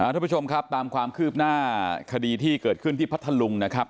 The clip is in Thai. ทุกผู้ชมครับตามความคืบหน้าคดีที่เกิดขึ้นที่พัทธลุงนะครับ